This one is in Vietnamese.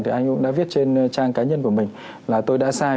thì anh cũng đã viết trên trang cá nhân của mình là tôi đã sai